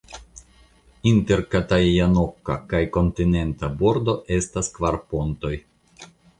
Inter Katajanokka kaj la kontinenta bordo estas kvar pontoj.